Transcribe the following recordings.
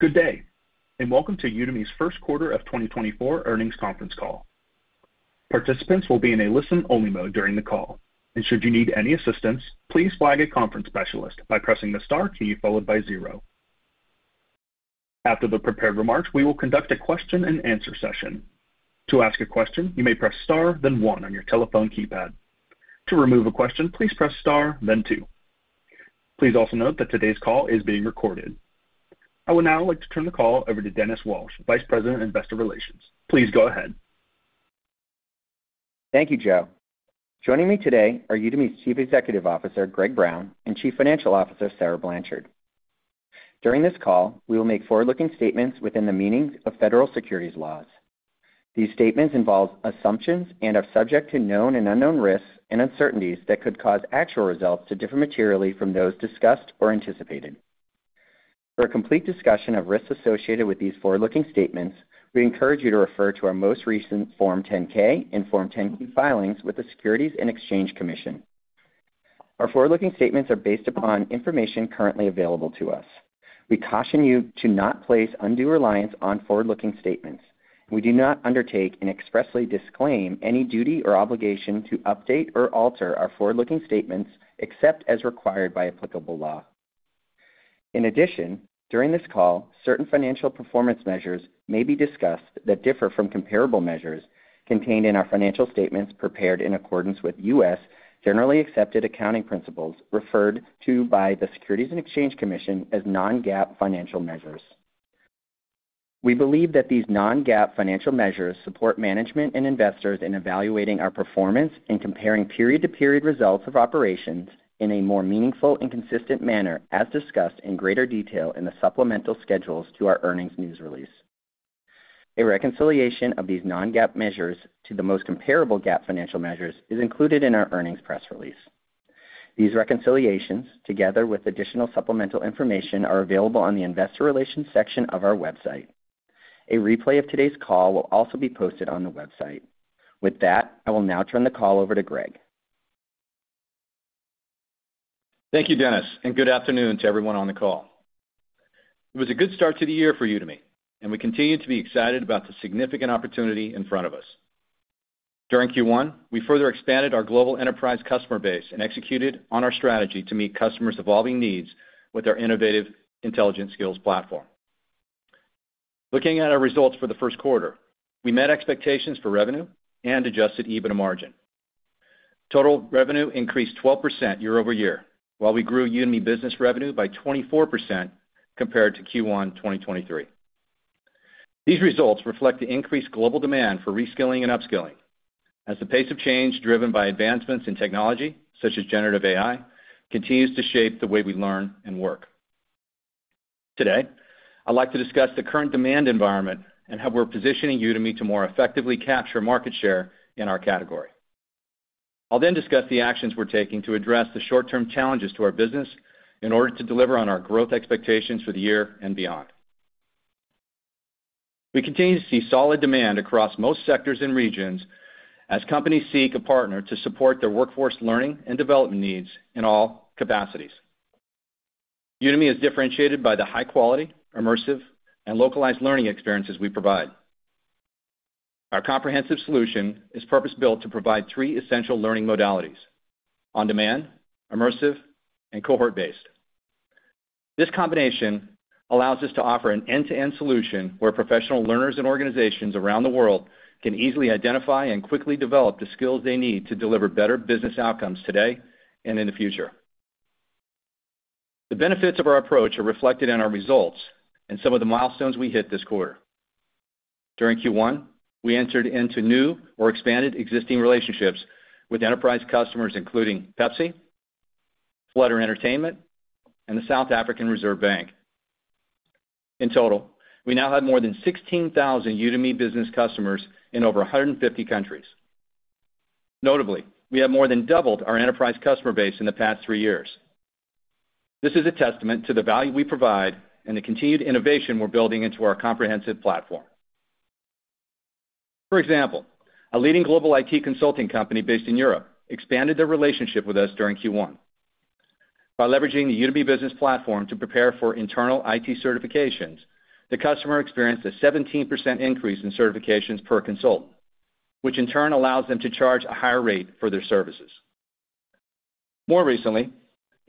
Good day and welcome to Udemy's Q1 of 2024 earnings conference call. Participants will be in a listen-only mode during the call, and should you need any assistance, please flag a conference specialist by pressing the star key followed by 0. After the prepared remarks, we will conduct a Q&A session. To ask a question, you may press star, then 1 on your telephone keypad. To remove a question, please press star, then 2. Please also note that today's call is being recorded. I would now like to turn the call over to Dennis Walsh, Vice President, Investor Relations. Please go ahead. Thank you, Joe. Joining me today are Udemy's Chief Executive Officer Greg Brown and Chief Financial Officer Sarah Blanchard. During this call, we will make forward-looking statements within the meanings of federal securities laws. These statements involve assumptions and are subject to known and unknown risks and uncertainties that could cause actual results to differ materially from those discussed or anticipated. For a complete discussion of risks associated with these forward-looking statements, we encourage you to refer to our most recent Form 10-K and Form 10-Q filings with the Securities and Exchange Commission. Our forward-looking statements are based upon information currently available to us. We caution you to not place undue reliance on forward-looking statements. We do not undertake and expressly disclaim any duty or obligation to update or alter our forward-looking statements except as required by applicable law. In addition, during this call, certain financial performance measures may be discussed that differ from comparable measures contained in our financial statements prepared in accordance with U.S. generally accepted accounting principles referred to by the Securities and Exchange Commission as non-GAAP financial measures. We believe that these non-GAAP financial measures support management and investors in evaluating our performance and comparing period-to-period results of operations in a more meaningful and consistent manner as discussed in greater detail in the supplemental schedules to our earnings news release. A reconciliation of these non-GAAP measures to the most comparable GAAP financial measures is included in our earnings press release. These reconciliations, together with additional supplemental information, are available on the Investor Relations section of our website. A replay of today's call will also be posted on the website. With that, I will now turn the call over to Greg. Thank you, Dennis, and good afternoon to everyone on the call. It was a good start to the year for Udemy, and we continue to be excited about the significant opportunity in front of us. During Q1, we further expanded our global enterprise customer base and executed on our strategy to meet customers' evolving needs with our innovative intelligent skills platform. Looking at our results for the Q1, we met expectations for revenue and Adjusted EBITDA margin. Total revenue increased 12% year-over-year, while we grew Udemy Business revenue by 24% compared to Q1 2023. These results reflect the increased global demand for reskilling and upskilling as the pace of change driven by advancements in technology such as generative AI continues to shape the way we learn and work. Today, I'd like to discuss the current demand environment and how we're positioning Udemy to more effectively capture market share in our category. I'll then discuss the actions we're taking to address the short-term challenges to our business in order to deliver on our growth expectations for the year and beyond. We continue to see solid demand across most sectors and regions as companies seek a partner to support their workforce learning and development needs in all capacities. Udemy is differentiated by the high-quality, immersive, and localized learning experiences we provide. Our comprehensive solution is purpose-built to provide three essential learning modalities: on-demand, immersive, and cohort-based. This combination allows us to offer an end-to-end solution where professional learners and organizations around the world can easily identify and quickly develop the skills they need to deliver better business outcomes today and in the future. The benefits of our approach are reflected in our results and some of the milestones we hit this quarter. During Q1, we entered into new or expanded existing relationships with enterprise customers including Pepsi, Flutter Entertainment, and the South African Reserve Bank. In total, we now have more than 16,000 Udemy Business customers in over 150 countries. Notably, we have more than doubled our enterprise customer base in the past three years. This is a testament to the value we provide and the continued innovation we're building into our comprehensive platform. For example, a leading global IT consulting company based in Europe expanded their relationship with us during Q1. By leveraging the Udemy Business platform to prepare for internal IT certifications, the customer experienced a 17% increase in certifications per consultant, which in turn allows them to charge a higher rate for their services. More recently,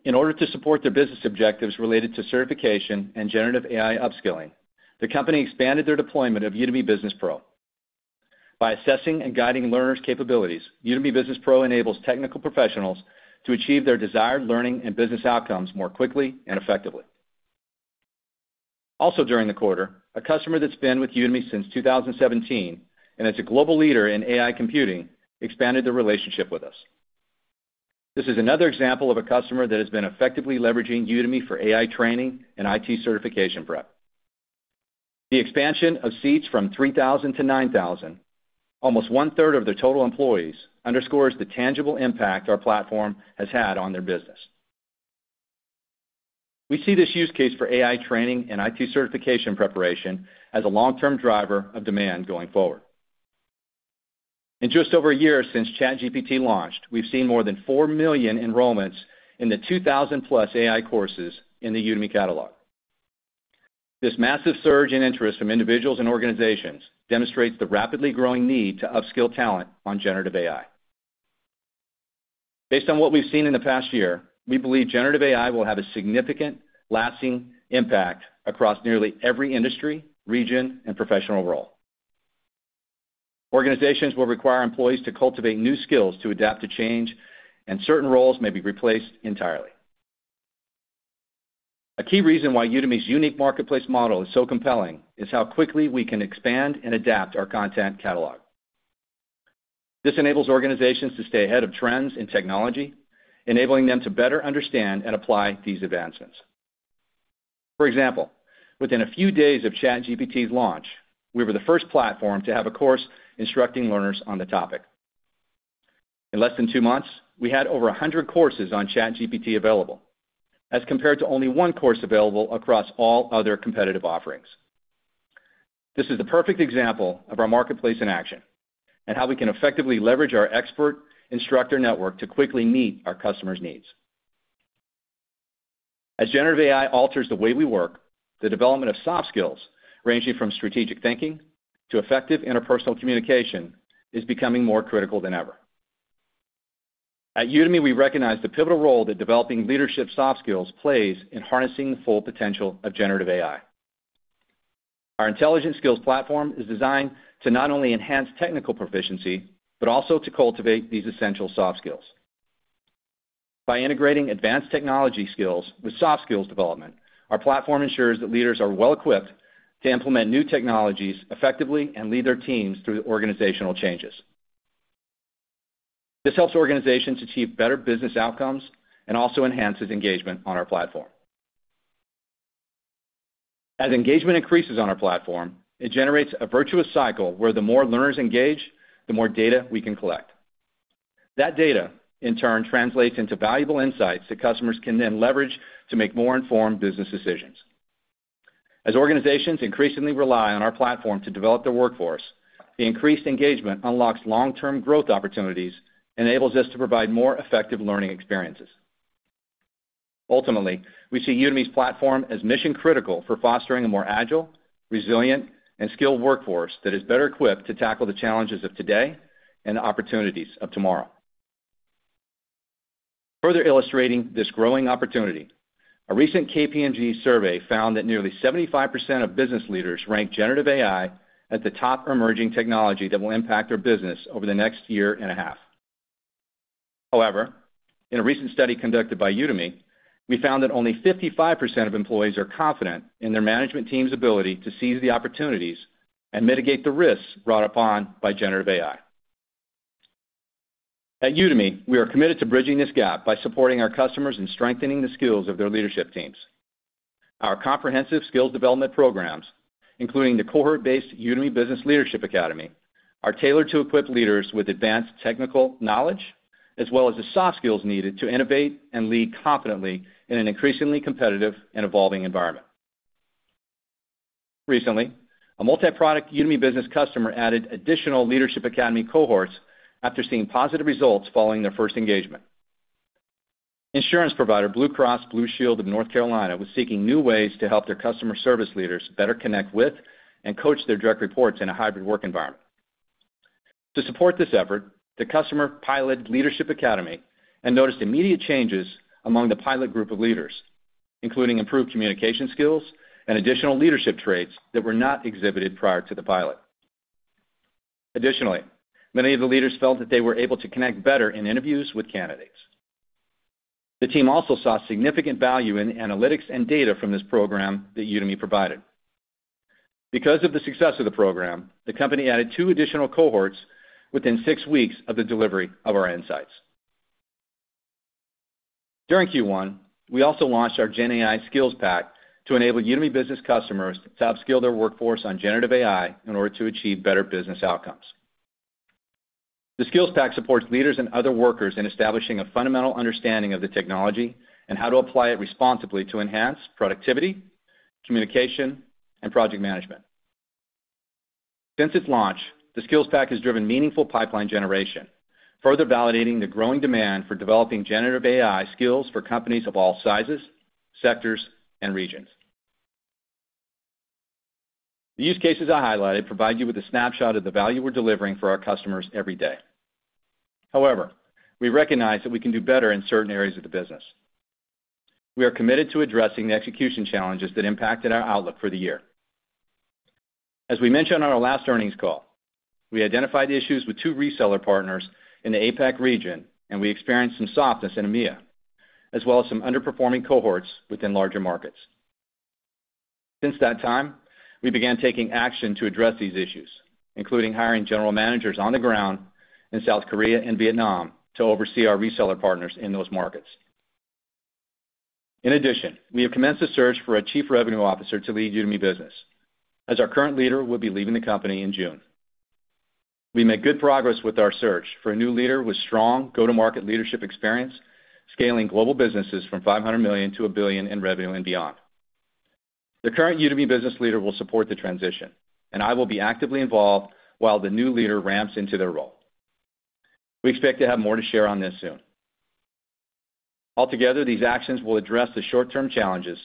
in order to support their business objectives related to certification and generative AI upskilling, the company expanded their deployment of Udemy Business Pro. By assessing and guiding learners' capabilities, Udemy Business Pro enables technical professionals to achieve their desired learning and business outcomes more quickly and effectively. Also during the quarter, a customer that's been with Udemy since 2017 and is a global leader in AI computing expanded their relationship with us. This is another example of a customer that has been effectively leveraging Udemy for AI training and IT certification prep. The expansion of seats from 3,000 to 9,000, almost one-third of their total employees, underscores the tangible impact our platform has had on their business. We see this use case for AI training and IT certification preparation as a long-term driver of demand going forward. In just over a year since ChatGPT launched, we've seen more than 4 million enrollments in the 2,000 plus AI courses in the Udemy catalog. This massive surge in interest from individuals and organizations demonstrates the rapidly growing need to upskill talent on generative AI. Based on what we've seen in the past year, we believe generative AI will have a significant, lasting impact across nearly every industry, region, and professional role. Organizations will require employees to cultivate new skills to adapt to change, and certain roles may be replaced entirely. A key reason why Udemy's unique marketplace model is so compelling is how quickly we can expand and adapt our content catalog. This enables organizations to stay ahead of trends in technology, enabling them to better understand and apply these advancements. For example, within a few days of ChatGPT's launch, we were the first platform to have a course instructing learners on the topic. In less than two months, we had over 100 courses on ChatGPT available as compared to only one course available across all other competitive offerings. This is the perfect example of our marketplace in action and how we can effectively leverage our expert instructor network to quickly meet our customers' needs. As generative AI alters the way we work, the development of soft skills ranging from strategic thinking to effective interpersonal communication is becoming more critical than ever. At Udemy, we recognize the pivotal role that developing leadership soft skills plays in harnessing the full potential of generative AI. Our intelligent skills platform is designed to not only enhance technical proficiency but also to cultivate these essential soft skills. By integrating advanced technology skills with soft skills development, our platform ensures that leaders are well-equipped to implement new technologies effectively and lead their teams through organizational changes. This helps organizations achieve better business outcomes and also enhances engagement on our platform. As engagement increases on our platform, it generates a virtuous cycle where the more learners engage, the more data we can collect. That data, in turn, translates into valuable insights that customers can then leverage to make more informed business decisions. As organizations increasingly rely on our platform to develop their workforce, the increased engagement unlocks long-term growth opportunities and enables us to provide more effective learning experiences. Ultimately, we see Udemy's platform as mission-critical for fostering a more agile, resilient, and skilled workforce that is better equipped to tackle the challenges of today and the opportunities of tomorrow. Further illustrating this growing opportunity, a recent KPMG survey found that nearly 75% of business leaders rank generative AI as the top emerging technology that will impact their business over the next year and a half. However, in a recent study conducted by Udemy, we found that only 55% of employees are confident in their management team's ability to seize the opportunities and mitigate the risks brought upon by generative AI. At Udemy, we are committed to bridging this gap by supporting our customers and strengthening the skills of their leadership teams. Our comprehensive skills development programs, including the cohort-based Udemy Business Leadership Academy, are tailored to equip leaders with advanced technical knowledge as well as the soft skills needed to innovate and lead confidently in an increasingly competitive and evolving environment. Recently, a multi-product Udemy Business customer added additional Leadership Academy cohorts after seeing positive results following their first engagement. Insurance provider Blue Cross Blue Shield of North Carolina was seeking new ways to help their customer service leaders better connect with and coach their direct reports in a hybrid work environment. To support this effort, the customer piloted Leadership Academy and noticed immediate changes among the pilot group of leaders, including improved communication skills and additional leadership traits that were not exhibited prior to the pilot. Additionally, many of the leaders felt that they were able to connect better in interviews with candidates. The team also saw significant value in the analytics and data from this program that Udemy provided. Because of the success of the program, the company added two additional cohorts within six weeks of the delivery of our insights. During Q1, we also launched our GenAI Skills Pack to enable Udemy Business customers to upskill their workforce on generative AI in order to achieve better business outcomes. The Skills Pack supports leaders and other workers in establishing a fundamental understanding of the technology and how to apply it responsibly to enhance productivity, communication, and project management. Since its launch, the Skills Pack has driven meaningful pipeline generation, further validating the growing demand for developing generative AI skills for companies of all sizes, sectors, and regions. The use cases I highlighted provide you with a snapshot of the value we're delivering for our customers every day. However, we recognize that we can do better in certain areas of the business. We are committed to addressing the execution challenges that impacted our outlook for the year. As we mentioned on our last earnings call, we identified issues with two reseller partners in the APAC region, and we experienced some softness in EMEA as well as some underperforming cohorts within larger markets. Since that time, we began taking action to address these issues, including hiring general managers on the ground in South Korea and Vietnam to oversee our reseller partners in those markets. In addition, we have commenced a search for a chief revenue officer to lead Udemy Business as our current leader would be leaving the company in June. We made good progress with our search for a new leader with strong go-to-market leadership experience, scaling global businesses from $500 million to 1 billion in revenue and beyond. The current Udemy Business leader will support the transition, and I will be actively involved while the new leader ramps into their role. We expect to have more to share on this soon. Altogether, these actions will address the short-term challenges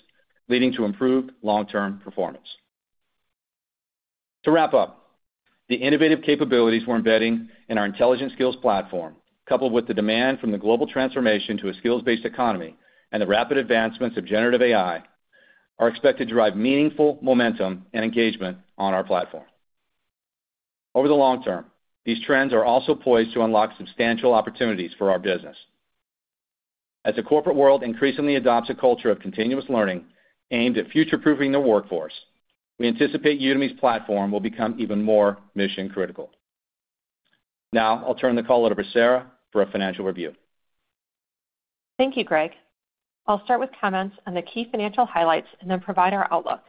leading to improved long-term performance. To wrap up, the innovative capabilities we're embedding in our intelligent skills platform, coupled with the demand from the global transformation to a skills-based economy and the rapid advancements of generative AI, are expected to drive meaningful momentum and engagement on our platform. Over the long term, these trends are also poised to unlock substantial opportunities for our business. As the corporate world increasingly adopts a culture of continuous learning aimed at future-proofing the workforce, we anticipate Udemy's platform will become even more mission-critical. Now, I'll turn the call over to Sarah for a financial review. Thank you, Greg. I'll start with comments on the key financial highlights and then provide our outlook.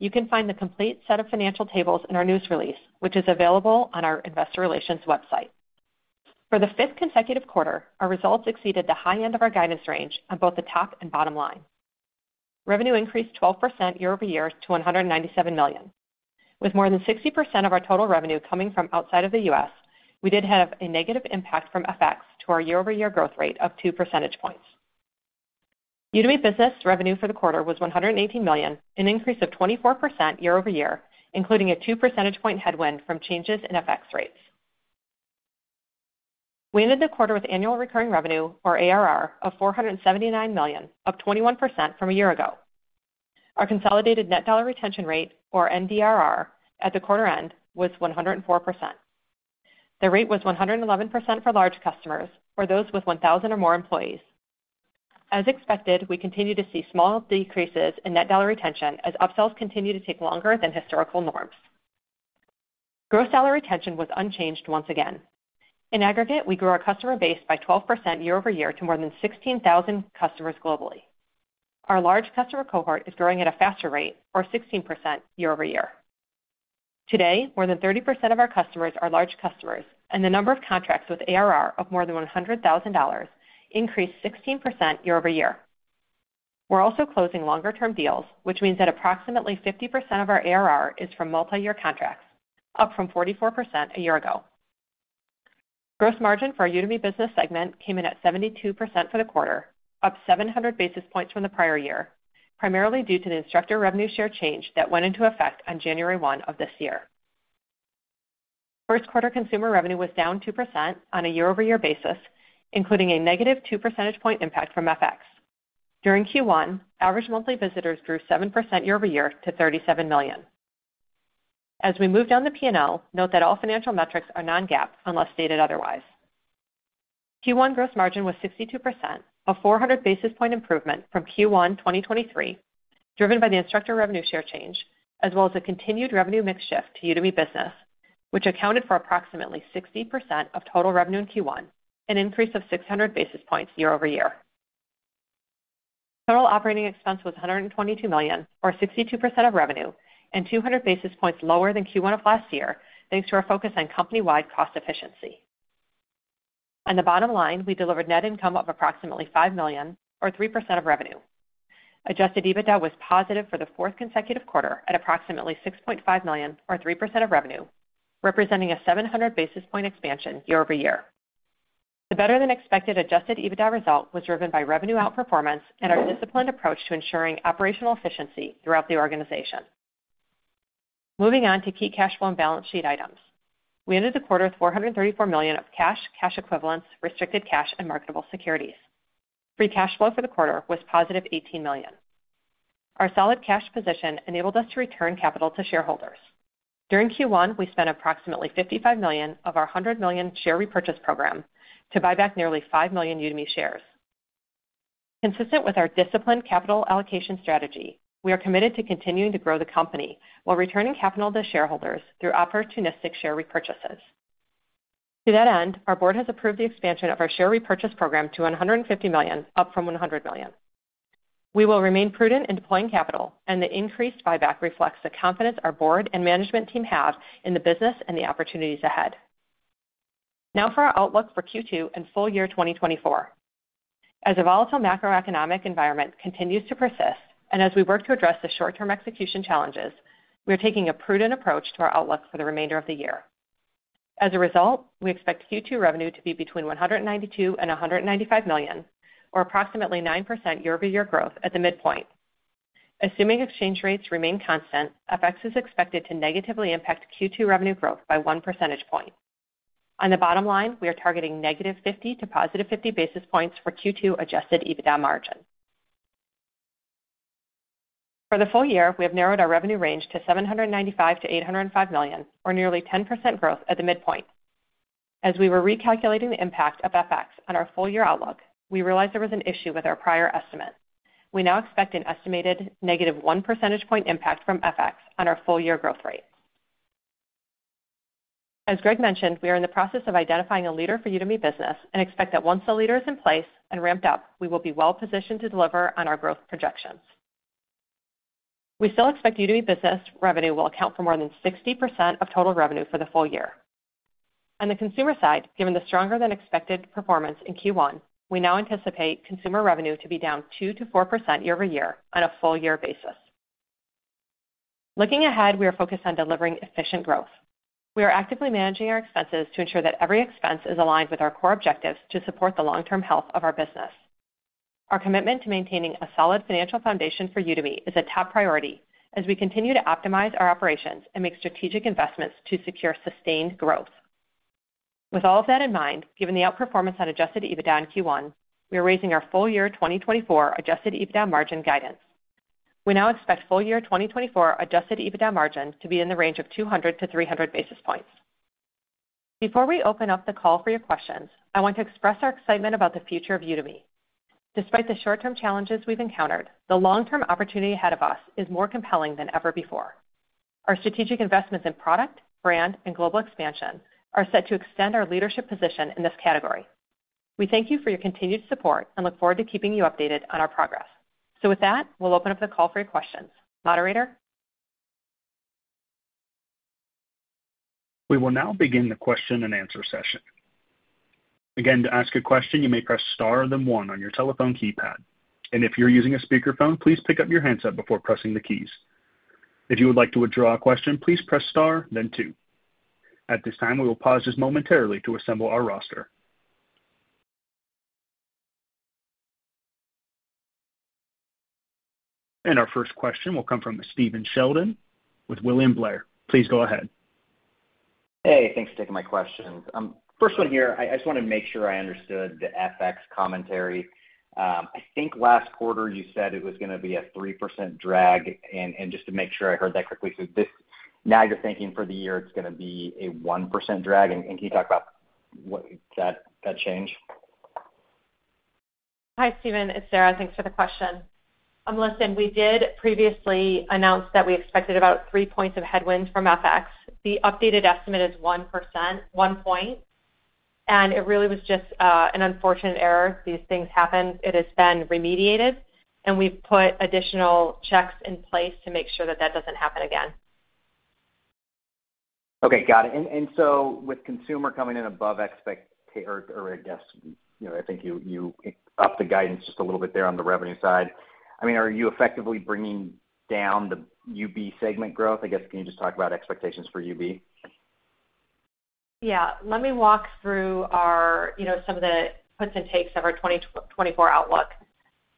You can find the complete set of financial tables in our news release, which is available on our investor relations website. For the fifth consecutive quarter, our results exceeded the high end of our guidance range on both the top and bottom line. Revenue increased 12% year-over-year to $197 million. With more than 60% of our total revenue coming from outside of the U.S., we did have a negative impact from FX to our year-over-year growth rate of 2 percentage points. Udemy Business revenue for the quarter was $118 million, an increase of 24% year-over-year, including a 2 percentage point headwind from changes in FX rates. We ended the quarter with annual recurring revenue, or ARR, of $479 million, up 21% from a year ago. Our consolidated net dollar retention rate, or NDRR, at the quarter end was 104%. The rate was 111% for large customers or those with 1,000 or more employees. As expected, we continue to see small decreases in net dollar retention as upsells continue to take longer than historical norms. gross dollar retention was unchanged once again. In aggregate, we grew our customer base by 12% year-over-year to more than 16,000 customers globally. Our large customer cohort is growing at a faster rate, or 16% year-over-year. Today, more than 30% of our customers are large customers, and the number of contracts with ARR of more than $100,000 increased 16% year-over-year. We're also closing longer-term deals, which means that approximately 50% of our ARR is from multi-year contracts, up from 44% a year ago. Gross margin for our Udemy Business segment came in at 72% for the quarter, up 700 basis points from the prior year, primarily due to the instructor revenue share change that went into effect on January 1 of this year. First-quarter consumer revenue was down 2% on a year-over-year basis, including a negative 2 percentage point impact from FX. During Q1, average monthly visitors grew 7% year-over-year to 37 million. As we move down the P&L, note that all financial metrics are non-GAAP unless stated otherwise. Q1 gross margin was 62%, a 400 basis point improvement from Q1 2023 driven by the instructor revenue share change, as well as a continued revenue mix shift to Udemy Business, which accounted for approximately 60% of total revenue in Q1, an increase of 600 basis points year-over-year. Total operating expense was $122 million, or 62% of revenue, and 200 basis points lower than Q1 of last year thanks to our focus on company-wide cost efficiency. On the bottom line, we delivered net income of approximately $5 million, or 3% of revenue. Adjusted EBITDA was positive for the fourth consecutive quarter at approximately $6.5 million, or 3% of revenue, representing a 700 basis point expansion year-over-year. The better-than-expected Adjusted EBITDA result was driven by revenue outperformance and our disciplined approach to ensuring operational efficiency throughout the organization. Moving on to key cash flow and balance sheet items. We ended the quarter with $434 million of cash, cash equivalents, restricted cash, and marketable securities. Free cash flow for the quarter was positive $18 million. Our solid cash position enabled us to return capital to shareholders. During Q1, we spent approximately $55 million of our $100 million share repurchase program to buy back nearly 5 million Udemy shares. Consistent with our disciplined capital allocation strategy, we are committed to continuing to grow the company while returning capital to shareholders through opportunistic share repurchases. To that end, our board has approved the expansion of our share repurchase program to $150 million, up from $100 million. We will remain prudent in deploying capital, and the increased buyback reflects the confidence our board and management team have in the business and the opportunities ahead. Now for our outlook for Q2 and full year 2024. As a volatile macroeconomic environment continues to persist and as we work to address the short-term execution challenges, we are taking a prudent approach to our outlook for the remainder of the year. As a result, we expect Q2 revenue to be between $192 million to 195 million, or approximately 9% year-over-year growth at the midpoint. Assuming exchange rates remain constant, FX is expected to negatively impact Q2 revenue growth by 1 percentage point. On the bottom line, we are targeting -50 to +50 basis points for Q2 adjusted EBITDA margin. For the full year, we have narrowed our revenue range to $795 million to 805 million, or nearly 10% growth at the midpoint. As we were recalculating the impact of FX on our full year outlook, we realized there was an issue with our prior estimate. We now expect an estimated negative 1 percentage point impact from FX on our full year growth rate. As Greg mentioned, we are in the process of identifying a leader for Udemy Business and expect that once the leader is in place and ramped up, we will be well positioned to deliver on our growth projections. We still expect Udemy Business revenue will account for more than 60% of total revenue for the full year. On the consumer side, given the stronger-than-expected performance in Q1, we now anticipate consumer revenue to be down 2% to 4% year-over-year on a full year basis. Looking ahead, we are focused on delivering efficient growth. We are actively managing our expenses to ensure that every expense is aligned with our core objectives to support the long-term health of our business. Our commitment to maintaining a solid financial foundation for Udemy is a top priority as we continue to optimize our operations and make strategic investments to secure sustained growth. With all of that in mind, given the outperformance on Adjusted EBITDA in Q1, we are raising our full year 2024 Adjusted EBITDA margin guidance. We now expect full year 2024 Adjusted EBITDA margin to be in the range of 200 to 300 basis points. Before we open up the call for your questions, I want to express our excitement about the future of Udemy. Despite the short-term challenges we've encountered, the long-term opportunity ahead of us is more compelling than ever before. Our strategic investments in product, brand, and global expansion are set to extend our leadership position in this category. We thank you for your continued support and look forward to keeping you updated on our progress. So with that, we'll open up the call for your questions. Moderator? We will now begin the Q&A session. Again, to ask a question, you may press star then one on your telephone keypad. If you're using a speakerphone, please pick up your handset before pressing the keys. If you would like to withdraw a question, please press star, then two. At this time, we will pause this momentarily to assemble our roster. Our first question will come from Stephen Sheldon with William Blair. Please go ahead. Hey, thanks for taking my questions. First one here, I just want to make sure I understood the FX commentary. I think last quarter you said it was going to be a 3% drag. And just to make sure I heard that correctly, now you're thinking for the year it's going to be a 1% drag. And can you talk about that change? Hi, Stephen. It's Sarah. Thanks for the question. Listen, we did previously announce that we expected about 3 points of headwind from FX. The updated estimate is 1%, one point. And it really was just an unfortunate error. These things happen. It has been remediated. And we've put additional checks in place to make sure that that doesn't happen again. Okay. Got it. And so with consumer coming in above expectations or I guess I think you upped the guidance just a little bit there on the revenue side. I mean, are you effectively bringing down the UB segment growth? I guess can you just talk about expectations for UB? Yeah. Let me walk through some of the puts and takes of our 2024 outlook.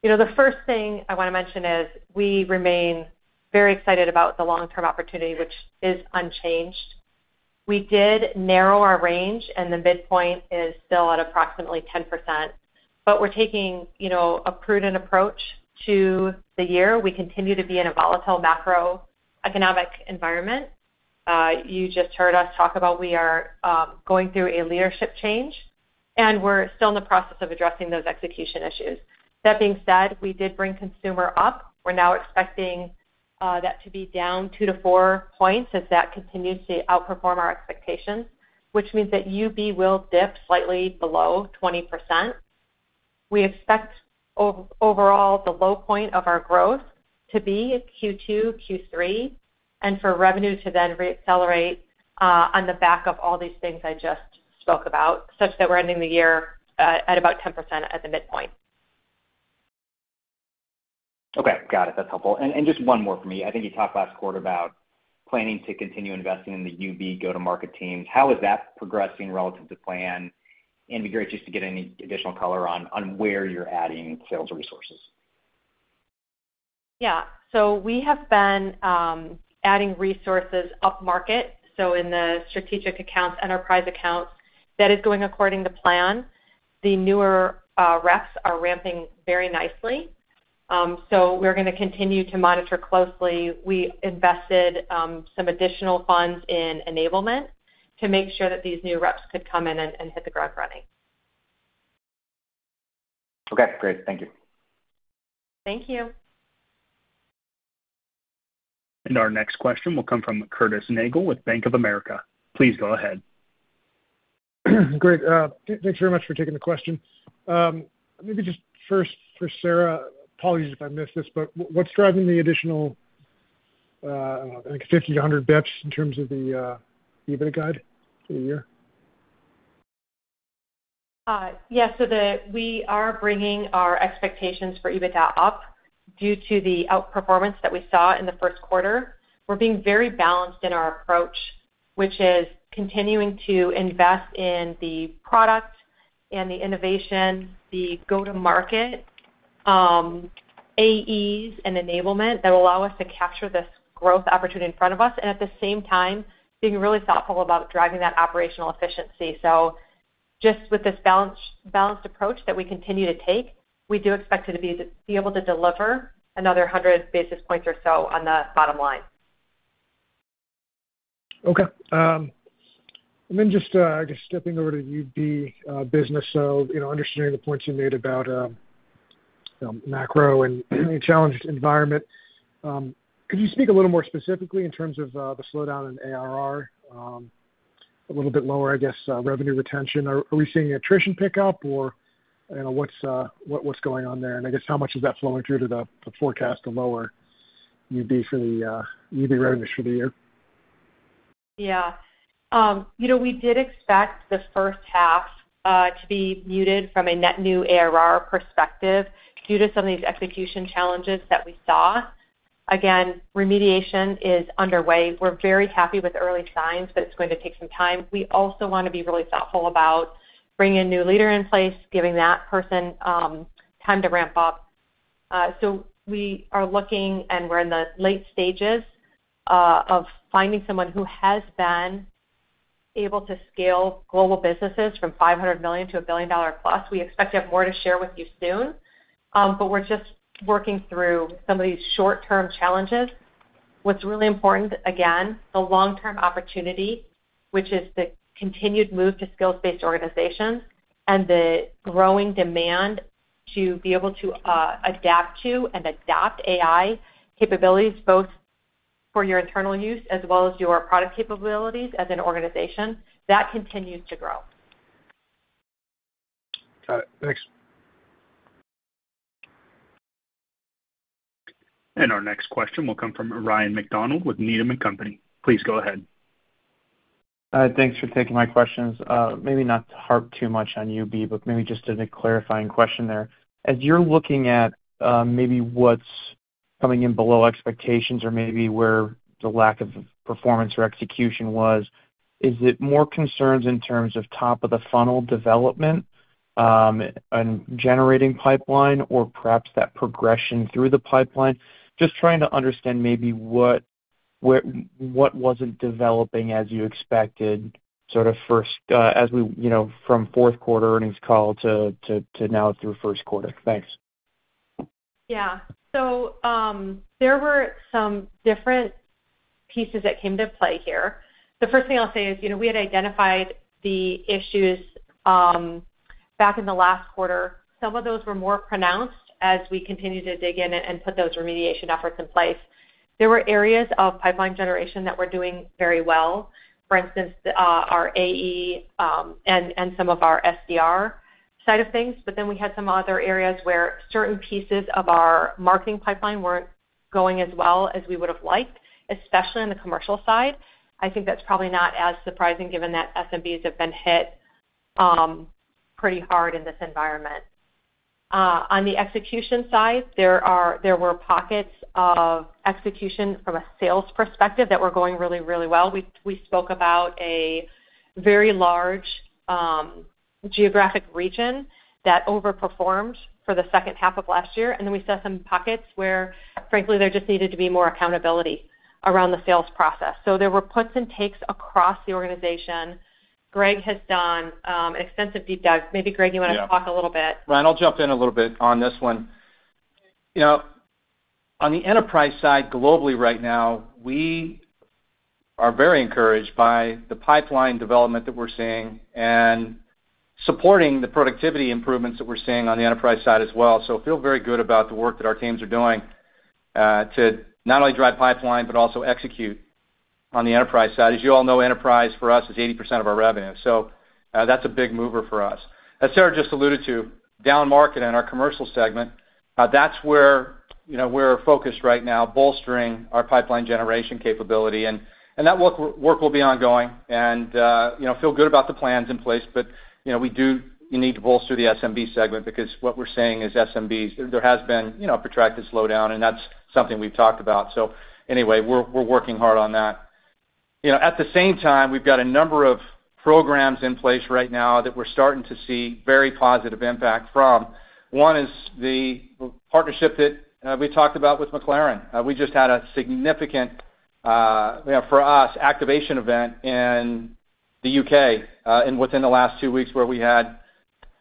The first thing I want to mention is we remain very excited about the long-term opportunity, which is unchanged. We did narrow our range, and the midpoint is still at approximately 10%. But we're taking a prudent approach to the year. We continue to be in a volatile macroeconomic environment. You just heard us talk about we are going through a leadership change, and we're still in the process of addressing those execution issues. That being said, we did bring consumer up. We're now expecting that to be down 2 to 4 points as that continues to outperform our expectations, which means that UB will dip slightly below 20%. We expect overall the low point of our growth to be Q2, Q3, and for revenue to then reaccelerate on the back of all these things I just spoke about, such that we're ending the year at about 10% at the midpoint. Okay. Got it. That's helpful. Just one more for me. I think you talked last quarter about planning to continue investing in the UB go-to-market teams. How is that progressing relative to plan? It'd be great just to get any additional color on where you're adding sales resources. Yeah. We have been adding resources up market. In the strategic accounts, enterprise accounts, that is going according to plan. The newer reps are ramping very nicely. We're going to continue to monitor closely. We invested some additional funds in enablement to make sure that these new reps could come in and hit the ground running. Okay. Great. Thank you. Thank you. Our next question will come from Curtis Nagle with Bank of America. Please go ahead. Great. Thanks very much for taking the question. Maybe just first, for Sarah, apologies if I missed this, but what's driving the additional, I don't know, I think 50-100 basis points in terms of the EBITDA guide for the year? Yeah. So we are bringing our expectations for EBITDA up due to the outperformance that we saw in the Q1. We're being very balanced in our approach, which is continuing to invest in the product and the innovation, the go-to-market, AEs, and enablement that will allow us to capture this growth opportunity in front of us, and at the same time, being really thoughtful about driving that operational efficiency. So just with this balanced approach that we continue to take, we do expect to be able to deliver another 100 basis points or so on the bottom line. Okay. And then just, I guess, stepping over to UB business, so understanding the points you made about macro and challenged environment, could you speak a little more specifically in terms of the slowdown in ARR, a little bit lower, I guess, revenue retention? Are we seeing attrition pick up, or what's going on there? And I guess how much is that flowing through to the forecast, the lower UB revenues for the year? Yeah. We did expect the first half to be muted from a net new ARR perspective due to some of these execution challenges that we saw. Again, remediation is underway. We're very happy with early signs, but it's going to take some time. We also want to be really thoughtful about bringing a new leader in place, giving that person time to ramp up. So we are looking, and we're in the late stages of finding someone who has been able to scale global businesses from $500 million to a $1 billion plus. We expect to have more to share with you soon, but we're just working through some of these short-term challenges. What's really important, again, the long-term opportunity, which is the continued move to skills-based organizations and the growing demand to be able to adapt to and adopt AI capabilities, both for your internal use as well as your product capabilities as an organization, that continues to grow. Got it. Thanks. Our next question will come from Ryan MacDonald with Needham & Company. Please go ahead. Thanks for taking my questions. Maybe not to harp too much on UB, but maybe just a clarifying question there. As you're looking at maybe what's coming in below expectations or maybe where the lack of performance or execution was, is it more concerns in terms of top-of-the-funnel development and generating pipeline, or perhaps that progression through the pipeline? Just trying to understand maybe what wasn't developing as you expected sort of first from fourth-quarter earnings call to now through Q1. Thanks. Yeah. So there were some different pieces that came to play here. The first thing I'll say is we had identified the issues back in the last quarter. Some of those were more pronounced as we continued to dig in and put those remediation efforts in place. There were areas of pipeline generation that were doing very well. For instance, our AE and some of our SDR side of things. But then we had some other areas where certain pieces of our marketing pipeline weren't going as well as we would have liked, especially on the commercial side. I think that's probably not as surprising given that SMBs have been hit pretty hard in this environment. On the execution side, there were pockets of execution from a sales perspective that were going really, really well. We spoke about a very large geographic region that overperformed for the second half of last year. Then we saw some pockets where, frankly, there just needed to be more accountability around the sales process. There were puts and takes across the organization. Greg has done an extensive deep dive. Maybe, Greg, you want to talk a little bit? Yeah. Right. I'll jump in a little bit on this one. On the enterprise side globally right now, we are very encouraged by the pipeline development that we're seeing and supporting the productivity improvements that we're seeing on the enterprise side as well. So I feel very good about the work that our teams are doing to not only drive pipeline but also execute on the enterprise side. As you all know, enterprise for us is 80% of our revenue. So that's a big mover for us. As Sarah just alluded to, down market in our commercial segment, that's where we're focused right now, bolstering our pipeline generation capability. And that work will be ongoing. And feel good about the plans in place. But we do need to bolster the SMB segment because what we're saying is SMBs, there has been a protracted slowdown, and that's something we've talked about. So anyway, we're working hard on that. At the same time, we've got a number of programs in place right now that we're starting to see very positive impact from. One is the partnership that we talked about with McLaren. We just had a significant, for us, activation event in the U.K. within the last two weeks where we had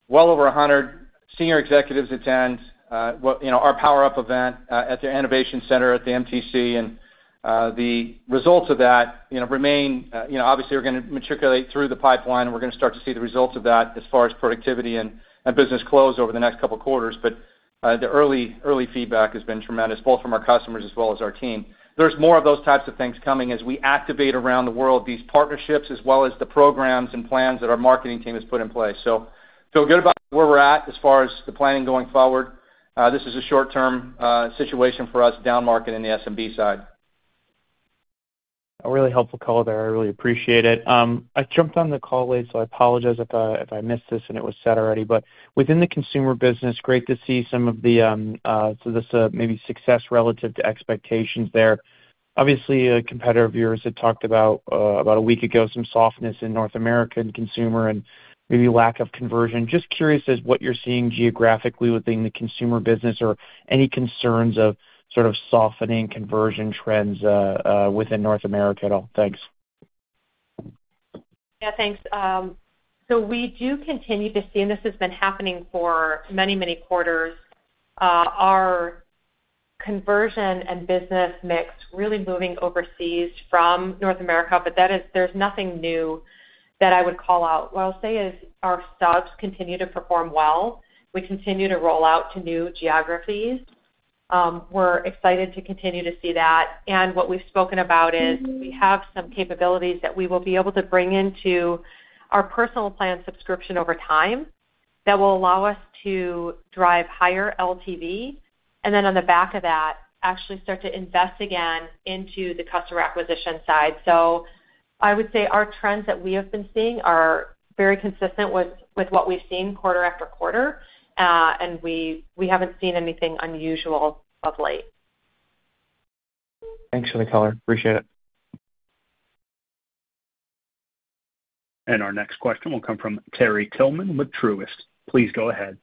well over 100 senior executives attend our power-up event at their innovation center at the MTC. And the results of that remain. Obviously, we're going to matriculate through the pipeline, and we're going to start to see the results of that as far as productivity and business close over the next couple of quarters. But the early feedback has been tremendous, both from our customers as well as our team. There's more of those types of things coming as we activate around the world these partnerships as well as the programs and plans that our marketing team has put in place. So feel good about where we're at as far as the planning going forward. This is a short-term situation for us, down market in the SMB side. A really helpful call there. I really appreciate it. I jumped on the call late, so I apologize if I missed this and it was said already. But within the consumer business, great to see some of the so this may be success relative to expectations there. Obviously, a competitor of yours had talked about a week ago some softness in North America and consumer and maybe lack of conversion. Just curious as what you're seeing geographically within the consumer business or any concerns of sort of softening conversion trends within North America at all? Thanks. Yeah. Thanks. So we do continue to see, and this has been happening for many, many quarters, our conversion and business mix really moving overseas from North America. But there's nothing new that I would call out. What I'll say is our subs continue to perform well. We continue to roll out to new geographies. We're excited to continue to see that. And what we've spoken about is we have some capabilities that we will be able to bring into our personal plan subscription over time that will allow us to drive higher LTV and then, on the back of that, actually start to invest again into the customer acquisition side. So I would say our trends that we have been seeing are very consistent with what we've seen quarter after quarter. And we haven't seen anything unusual of late. Thanks for the color. Appreciate it. Our next question will come from Terry Tillman with Truist. Please go ahead.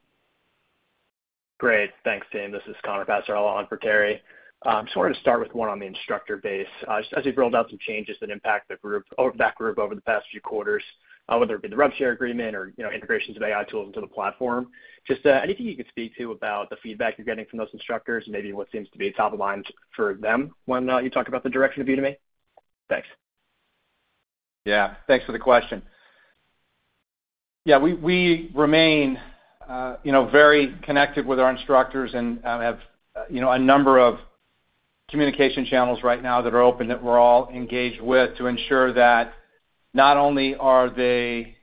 Great. Thanks, Dean. This is Connor Passarella on for Terry. I just wanted to start with one on the instructor base. Just as we've rolled out some changes that impact that group over the past few quarters, whether it be the revenue share agreement or integrations of AI tools into the platform, just anything you could speak to about the feedback you're getting from those instructors and maybe what seems to be top of mind for them when you talk about the direction of Udemy? Thanks. Yeah. Thanks for the question. Yeah. We remain very connected with our instructors and have a number of communication channels right now that are open that we're all engaged with to ensure that not only are they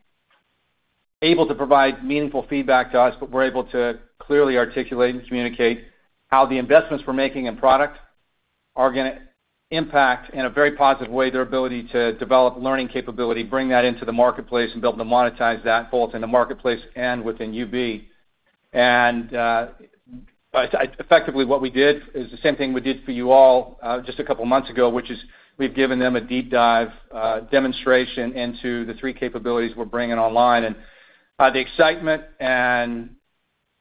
able to provide meaningful feedback to us, but we're able to clearly articulate and communicate how the investments we're making in product are going to impact in a very positive way their ability to develop learning capability, bring that into the marketplace, and be able to monetize that both in the marketplace and within UB. And effectively, what we did is the same thing we did for you all just a couple of months ago, which is we've given them a deep dive demonstration into the three capabilities we're bringing online. And the excitement and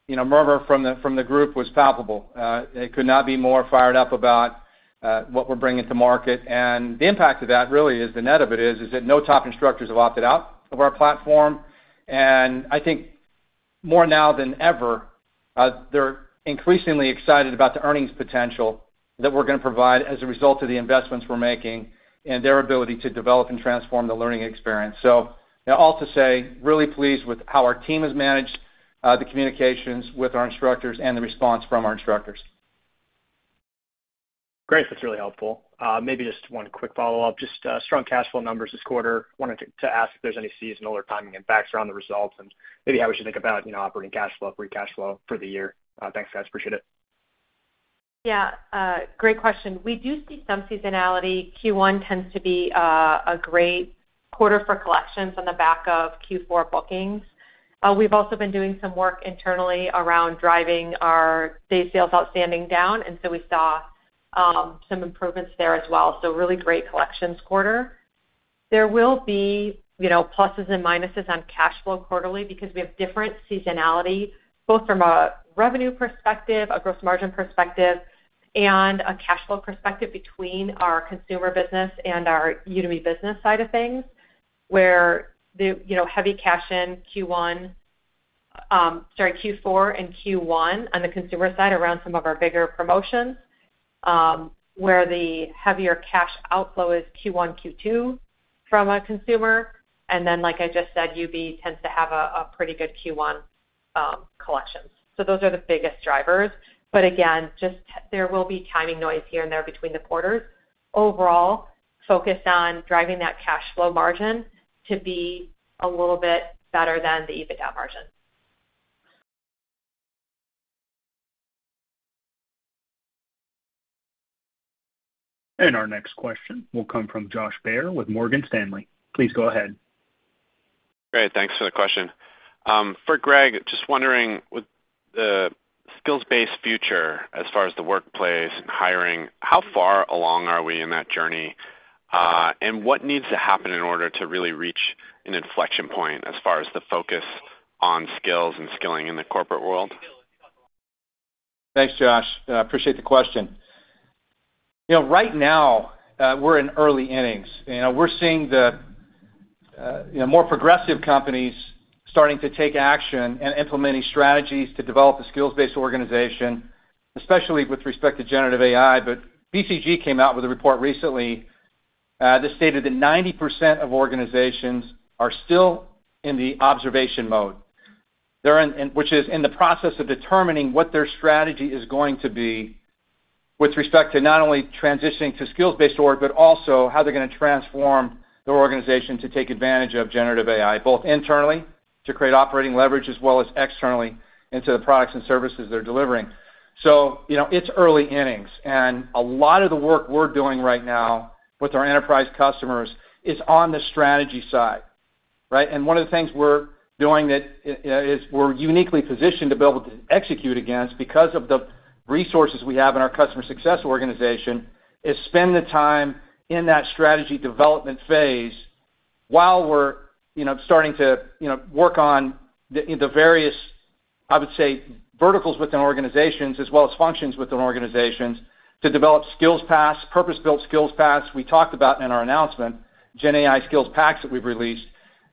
murmur from the group was palpable. They could not be more fired up about what we're bringing to market. And the impact of that really is the net of it is that no top instructors have opted out of our platform. And I think more now than ever, they're increasingly excited about the earnings potential that we're going to provide as a result of the investments we're making and their ability to develop and transform the learning experience. So all to say, really pleased with how our team has managed the communications with our instructors and the response from our instructors. Great. That's really helpful. Maybe just one quick follow-up. Just strong cash flow numbers this quarter. Wanted to ask if there's any seasonal or timing impacts around the results and maybe how we should think about operating cash flow, free cash flow for the year. Thanks, guys. Appreciate it. Yeah. Great question. We do see some seasonality. Q1 tends to be a great quarter for collections on the back of Q4 bookings. We've also been doing some work internally around driving our day sales outstanding down. And so we saw some improvements there as well. So really great collections quarter. There will be pluses and minuses on cash flow quarterly because we have different seasonality both from a revenue perspective, a gross margin perspective, and a cash flow perspective between our consumer business and our Udemy business side of things where the heavy cash in Q1 sorry, Q4 and Q1 on the consumer side around some of our bigger promotions where the heavier cash outflow is Q1, Q2 from a consumer. And then, like I just said, UB tends to have a pretty good Q1 collections. So those are the biggest drivers. But again, there will be timing noise here and there between the quarters. Overall, focus on driving that cash flow margin to be a little bit better than the EBITDA margin. Our next question will come from Josh Baer with Morgan Stanley. Please go ahead. Great. Thanks for the question. For Greg, just wondering with the skills-based future as far as the workplace and hiring, how far along are we in that journey? And what needs to happen in order to really reach an inflection point as far as the focus on skills and skilling in the corporate world? Thanks, Josh. Appreciate the question. Right now, we're in early innings. We're seeing the more progressive companies starting to take action and implementing strategies to develop a skills-based organization, especially with respect to generative AI. But BCG came out with a report recently that stated that 90% of organizations are still in the observation mode, which is in the process of determining what their strategy is going to be with respect to not only transitioning to skills-based work but also how they're going to transform their organization to take advantage of generative AI, both internally to create operating leverage as well as externally into the products and services they're delivering. So it's early innings. And a lot of the work we're doing right now with our enterprise customers is on the strategy side, right? One of the things we're doing that we're uniquely positioned to be able to execute against because of the resources we have in our customer success organization is spend the time in that strategy development phase while we're starting to work on the various, I would say, verticals within organizations as well as functions within organizations to develop purpose-built skills packs. We talked about in our announcement, GenAI Skills Packs that we've released.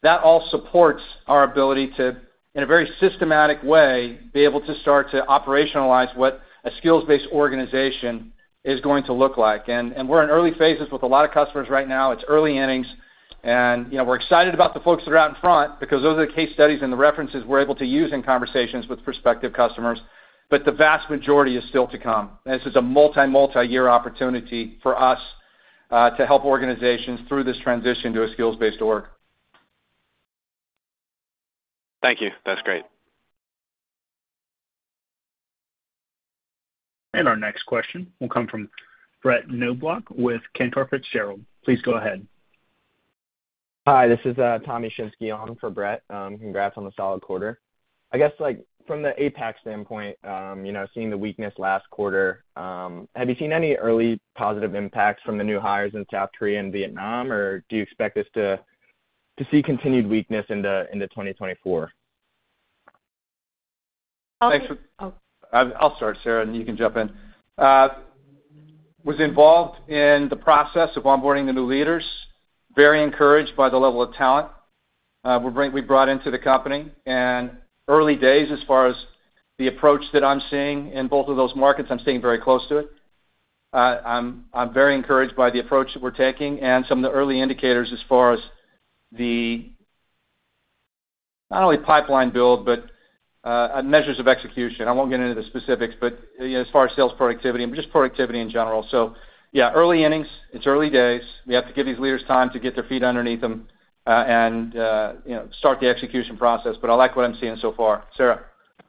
That all supports our ability to, in a very systematic way, be able to start to operationalize what a skills-based organization is going to look like. We're in early phases with a lot of customers right now. It's early innings. We're excited about the folks that are out in front because those are the case studies and the references we're able to use in conversations with prospective customers. The vast majority is still to come. This is a multi, multi-year opportunity for us to help organizations through this transition to a skills-based org. Thank you. That's great. Our next question will come from Brett Knoblauch with Cantor Fitzgerald. Please go ahead. Hi. This is Tommy Shinsky on for Brett. Congrats on the solid quarter. I guess from the APAC standpoint, seeing the weakness last quarter, have you seen any early positive impacts from the new hires in South Korea and Vietnam? Or do you expect us to see continued weakness into 2024? Thanks. I'll start, Sarah, and you can jump in. I was involved in the process of onboarding the new leaders, very encouraged by the level of talent we brought into the company. And early days, as far as the approach that I'm seeing in both of those markets, I'm staying very close to it. I'm very encouraged by the approach that we're taking and some of the early indicators as far as the not only pipeline build but measures of execution. I won't get into the specifics, but as far as sales productivity and just productivity in general. So yeah, early innings. It's early days. We have to give these leaders time to get their feet underneath them and start the execution process. But I like what I'm seeing so far. Sarah?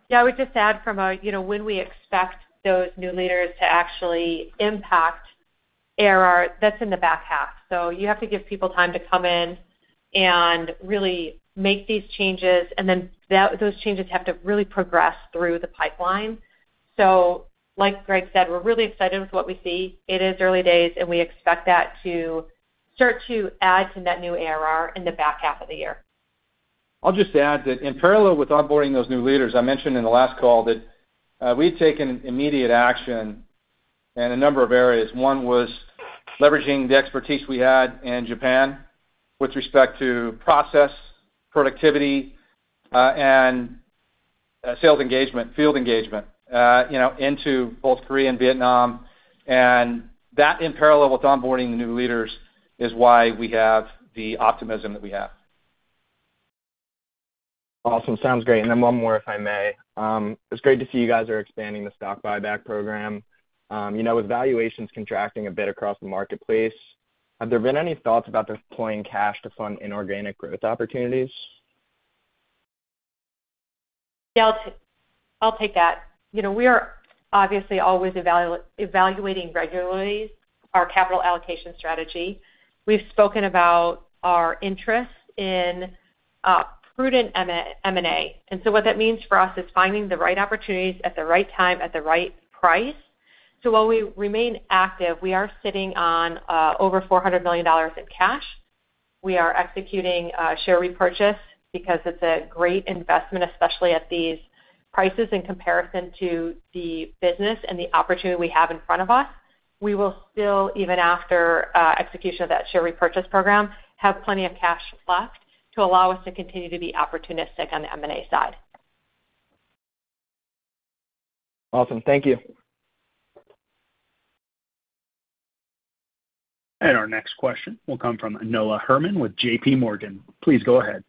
Yeah. I would just add from when we expect those new leaders to actually impact ARR, that's in the back half. So you have to give people time to come in and really make these changes. And then those changes have to really progress through the pipeline. So like Greg said, we're really excited with what we see. It is early days, and we expect that to start to add to net new ARR in the back half of the year. I'll just add that in parallel with onboarding those new leaders, I mentioned in the last call that we'd taken immediate action in a number of areas. One was leveraging the expertise we had in Japan with respect to process, productivity, and sales engagement, field engagement into both Korea and Vietnam. That in parallel with onboarding the new leaders is why we have the optimism that we have. Awesome. Sounds great. And then one more, if I may. It's great to see you guys are expanding the stock buyback program. With valuations contracting a bit across the marketplace, have there been any thoughts about deploying cash to fund inorganic growth opportunities? Yeah. I'll take that. We are obviously always evaluating regularly our capital allocation strategy. We've spoken about our interest in prudent M&A. And so what that means for us is finding the right opportunities at the right time at the right price. So while we remain active, we are sitting on over $400 million in cash. We are executing share repurchase because it's a great investment, especially at these prices in comparison to the business and the opportunity we have in front of us. We will still, even after execution of that share repurchase program, have plenty of cash left to allow us to continue to be opportunistic on the M&A side. Awesome. Thank you. Our next question will come from Noah Herman with JPMorgan. Please go ahead.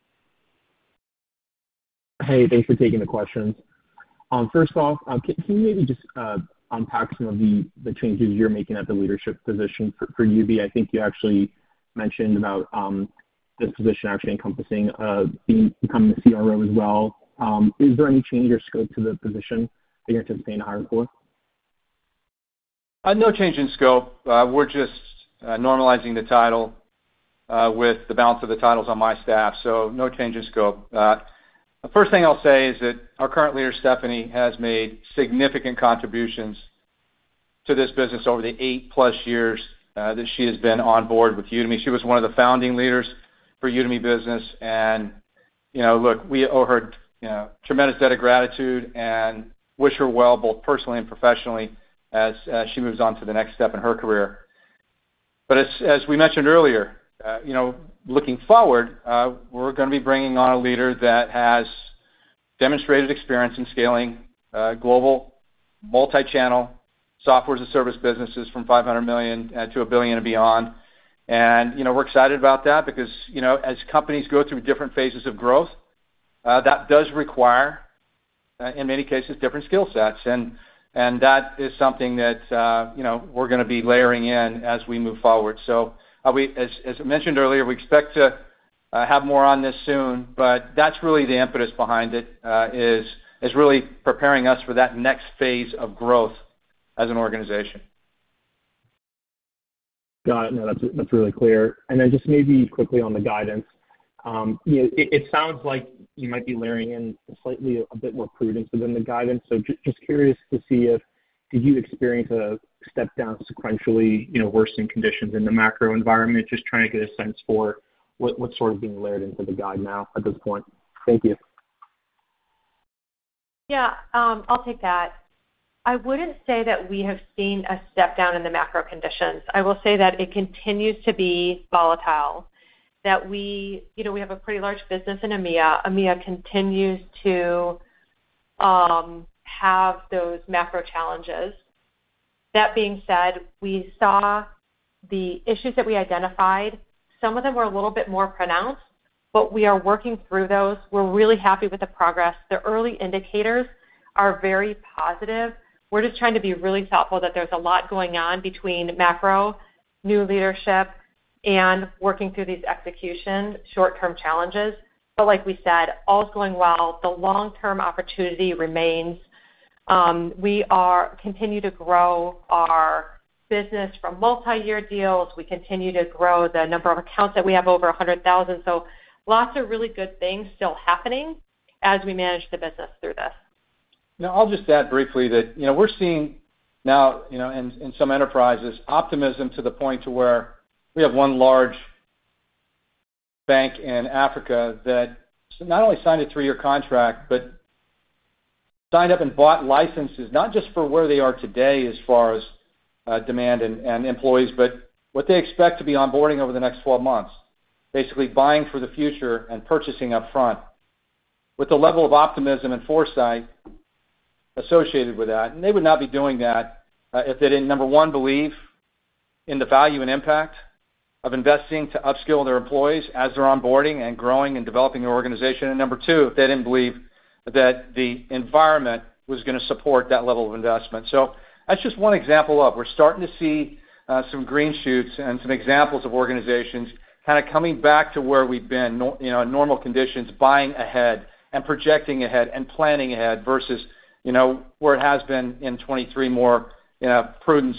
Hey. Thanks for taking the questions. First off, can you maybe just unpack some of the changes you're making at the leadership position for UB? I think you actually mentioned about this position actually encompassing becoming the CRO as well. Is there any change or scope to the position that you're anticipating to hire for? No change in scope. We're just normalizing the title with the balance of the titles on my staff. So no change in scope. The first thing I'll say is that our current leader, Stephanie, has made significant contributions to this business over the 8+ years that she has been on board with Udemy. She was one of the founding leaders for Udemy Business. And look, we owe her a tremendous debt of gratitude and wish her well both personally and professionally as she moves on to the next step in her career. But as we mentioned earlier, looking forward, we're going to be bringing on a leader that has demonstrated experience in scaling global, multi-channel software as a service businesses from $500 million to $1 billion and beyond. We're excited about that because as companies go through different phases of growth, that does require, in many cases, different skill sets. That is something that we're going to be layering in as we move forward. As I mentioned earlier, we expect to have more on this soon. That's really the impetus behind it is really preparing us for that next phase of growth as an organization. Got it. No, that's really clear. And then just maybe quickly on the guidance, it sounds like you might be layering in slightly a bit more prudence within the guidance. So just curious to see if did you experience a step down sequentially worsening conditions in the macro environment, just trying to get a sense for what's sort of being layered into the guide now at this point? Thank you. Yeah. I'll take that. I wouldn't say that we have seen a step down in the macro conditions. I will say that it continues to be volatile, that we have a pretty large business in EMEA. EMEA continues to have those macro challenges. That being said, we saw the issues that we identified. Some of them were a little bit more pronounced, but we are working through those. We're really happy with the progress. The early indicators are very positive. We're just trying to be really thoughtful that there's a lot going on between macro, new leadership, and working through these execution short-term challenges. But like we said, all's going well. The long-term opportunity remains. We continue to grow our business from multi-year deals. We continue to grow the number of accounts that we have over 100,000. Lots of really good things still happening as we manage the business through this. Now, I'll just add briefly that we're seeing now in some enterprises optimism to the point to where we have one large bank in Africa that not only signed a three-year contract but signed up and bought licenses not just for where they are today as far as demand and employees but what they expect to be onboarding over the next 12 months, basically buying for the future and purchasing upfront with the level of optimism and foresight associated with that. And they would not be doing that if they didn't, number one, believe in the value and impact of investing to upskill their employees as they're onboarding and growing and developing their organization. And number two, if they didn't believe that the environment was going to support that level of investment. So that's just one example of we're starting to see some green shoots and some examples of organizations kind of coming back to where we've been in normal conditions, buying ahead and projecting ahead and planning ahead versus where it has been in 2023, more prudence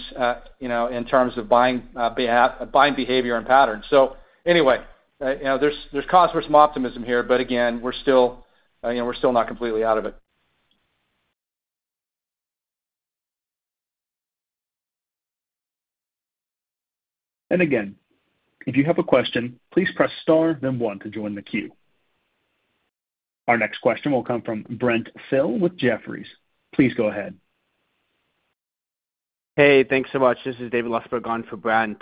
in terms of buying behavior and patterns. So anyway, there's cause for some optimism here. But again, we're still not completely out of it. Again, if you have a question, please press star, then one to join the queue. Our next question will come from Brent Thill with Jefferies. Please go ahead. Hey. Thanks so much. This is David Lustberg on for Brent.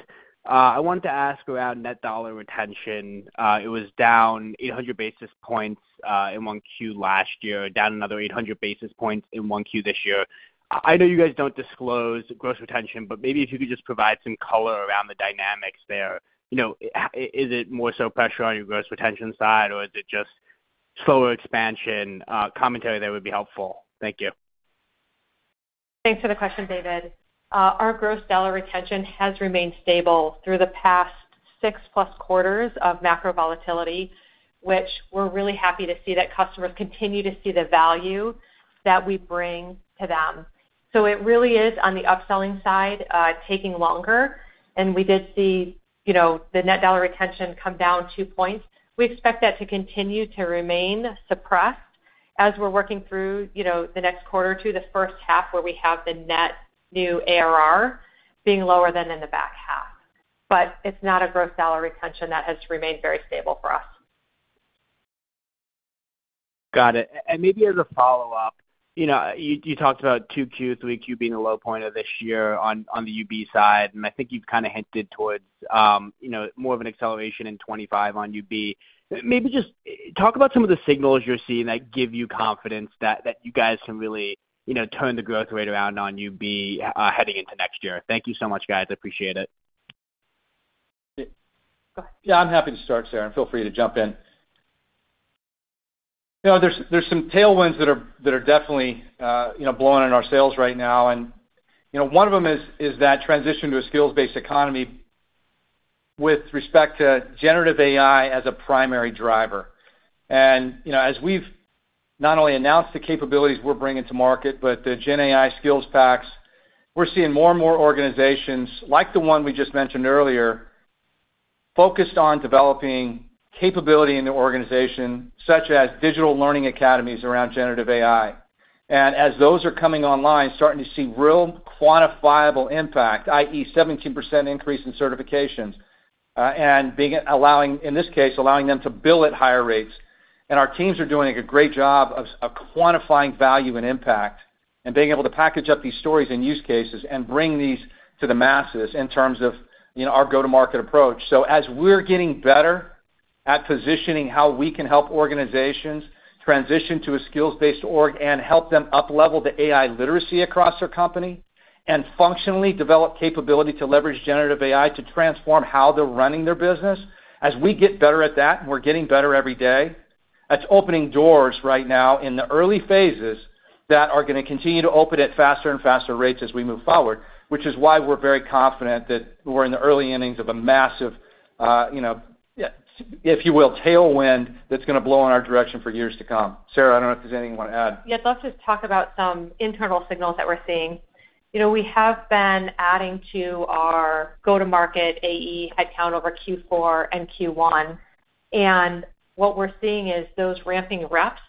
I wanted to ask around net dollar retention. It was down 800 basis points in Q1 last year, down another 800 basis points in Q1 this year. I know you guys don't disclose gross retention, but maybe if you could just provide some color around the dynamics there. Is it more so pressure on your gross retention side, or is it just slower expansion? Commentary there would be helpful. Thank you. Thanks for the question, David. Our Gross Dollar Retention has remained stable through the past 6+ quarters of macro volatility, which we're really happy to see that customers continue to see the value that we bring to them. So it really is, on the upselling side, taking longer. And we did see the Net Dollar Retention come down two points. We expect that to continue to remain suppressed as we're working through the next quarter to the first half where we have the net new ARR being lower than in the back half. But it's not a Gross Dollar Retention that has remained very stable for us. Got it. And maybe as a follow-up, you talked about Q2, the weak UB in the low point of this year on the UB side. And I think you've kind of hinted towards more of an acceleration in 2025 on UB. Maybe just talk about some of the signals you're seeing that give you confidence that you guys can really turn the growth rate around on UB heading into next year. Thank you so much, guys. I appreciate it. Yeah. I'm happy to start, Sarah. And feel free to jump in. There's some tailwinds that are definitely blowing on our sales right now. And one of them is that transition to a skills-based economy with respect to generative AI as a primary driver. And as we've not only announced the capabilities we're bringing to market but the GenAI skills packs, we're seeing more and more organizations like the one we just mentioned earlier focused on developing capability in the organization such as digital learning academies around generative AI. And as those are coming online, starting to see real quantifiable impact, i.e., 17% increase in certifications and, in this case, allowing them to bill at higher rates. Our teams are doing a great job of quantifying value and impact and being able to package up these stories and use cases and bring these to the masses in terms of our go-to-market approach. So as we're getting better at positioning how we can help organizations transition to a skills-based org and help them uplevel the AI literacy across their company and functionally develop capability to leverage generative AI to transform how they're running their business, as we get better at that and we're getting better every day, that's opening doors right now in the early phases that are going to continue to open at faster and faster rates as we move forward, which is why we're very confident that we're in the early innings of a massive, if you will, tailwind that's going to blow in our direction for years to come. Sarah, I don't know if there's anything you want to add. Yeah. So I'll just talk about some internal signals that we're seeing. We have been adding to our go-to-market AE headcount over Q4 and Q1. And what we're seeing is those ramping reps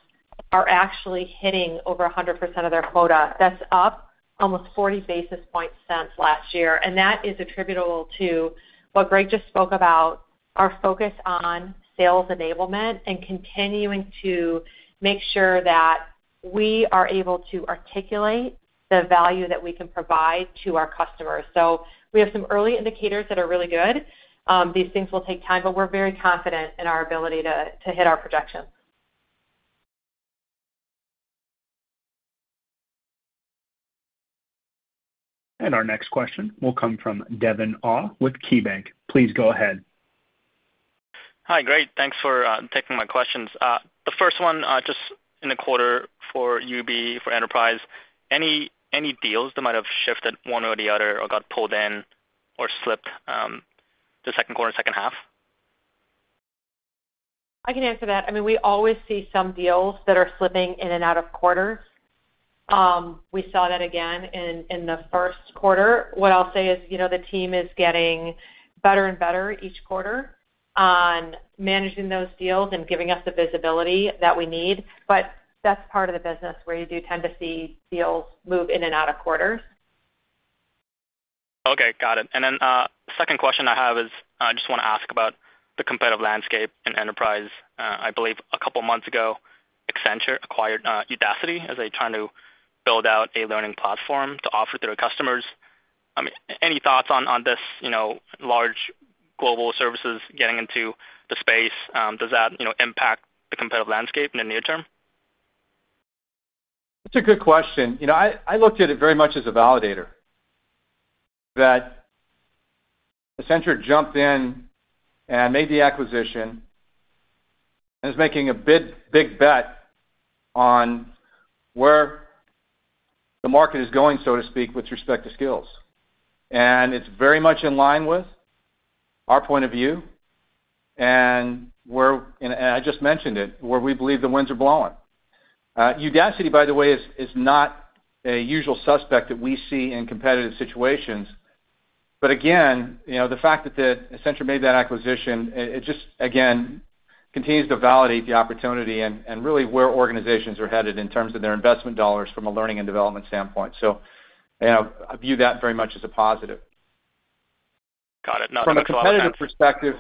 are actually hitting over 100% of their quota. That's up almost 40 basis points last year. And that is attributable to what Greg just spoke about, our focus on sales enablement and continuing to make sure that we are able to articulate the value that we can provide to our customers. So we have some early indicators that are really good. These things will take time, but we're very confident in our ability to hit our projections. Our next question will come from Devin Au with KeyBanc Capital Markets. Please go ahead. Hi, Greg. Thanks for taking my questions. The first one, just in the quarter for UB, for enterprise, any deals that might have shifted one way or the other or got pulled in or slipped the Q2, second half? I can answer that. I mean, we always see some deals that are slipping in and out of quarters. We saw that again in the Q1. What I'll say is the team is getting better and better each quarter on managing those deals and giving us the visibility that we need. But that's part of the business where you do tend to see deals move in and out of quarters. Okay. Got it. And then second question I have is I just want to ask about the competitive landscape in enterprise. I believe a couple of months ago, Accenture acquired Udacity as they're trying to build out a learning platform to offer to their customers. I mean, any thoughts on this large global services getting into the space? Does that impact the competitive landscape in the near term? That's a good question. I looked at it very much as a validator that Accenture jumped in and made the acquisition and is making a big bet on where the market is going, so to speak, with respect to skills. And it's very much in line with our point of view. And I just mentioned it, where we believe the winds are blowing. Udacity, by the way, is not a usual suspect that we see in competitive situations. But again, the fact that Accenture made that acquisition, it just, again, continues to validate the opportunity and really where organizations are headed in terms of their investment dollars from a learning and development standpoint. So I view that very much as a positive. Got it. Not from a product side. From a competitive perspective,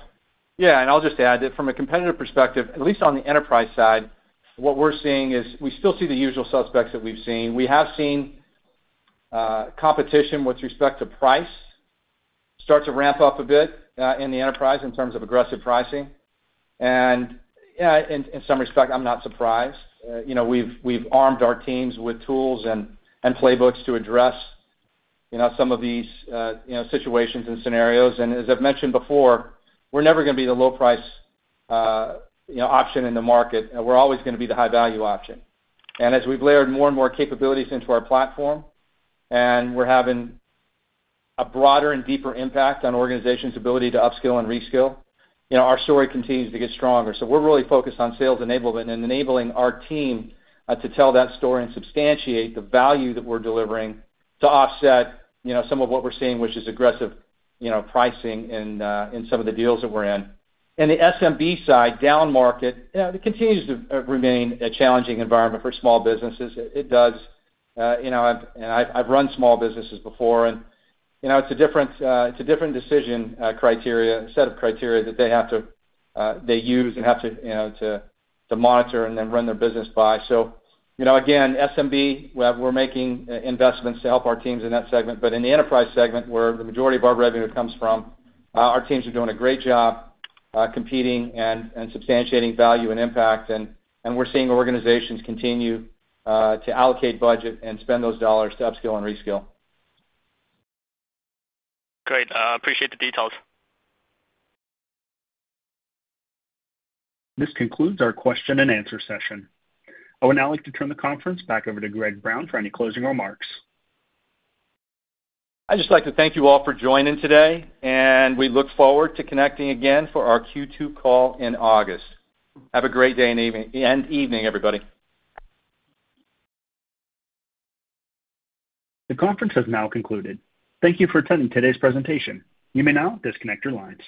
yeah. I'll just add that from a competitive perspective, at least on the enterprise side, what we're seeing is we still see the usual suspects that we've seen. We have seen competition with respect to price start to ramp up a bit in the enterprise in terms of aggressive pricing. In some respect, I'm not surprised. We've armed our teams with tools and playbooks to address some of these situations and scenarios. As I've mentioned before, we're never going to be the low-price option in the market. We're always going to be the high-value option. As we've layered more and more capabilities into our platform and we're having a broader and deeper impact on organizations' ability to upskill and reskill, our story continues to get stronger. So we're really focused on sales enablement and enabling our team to tell that story and substantiate the value that we're delivering to offset some of what we're seeing, which is aggressive pricing in some of the deals that we're in. And the SMB side, down market, it continues to remain a challenging environment for small businesses. It does. And I've run small businesses before. And it's a different decision criteria, a set of criteria that they have to use and have to monitor and then run their business by. So again, SMB, we're making investments to help our teams in that segment. But in the enterprise segment, where the majority of our revenue comes from, our teams are doing a great job competing and substantiating value and impact. And we're seeing organizations continue to allocate budget and spend those dollars to upskill and reskill. Great. Appreciate the details. This concludes our Q&A session. I would now like to turn the conference back over to Greg Brown for any closing remarks. I'd just like to thank you all for joining today. We look forward to connecting again for our Q2 call in August. Have a great day and evening, everybody. The conference has now concluded. Thank you for attending today's presentation. You may now disconnect your lines.